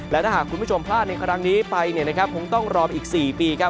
และถ้าหากคุณผู้ชมพลาดในครั้งนี้ไปคงต้องรอไปอีก๔ปี